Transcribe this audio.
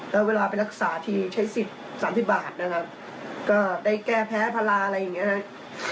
แล้วเวลาไปรักษาทีใช้สิทธิ์๓๐บาทนะครับก็ได้แก้แพ้ภาระอะไรอย่างนี้ครับ